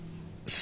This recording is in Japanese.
す。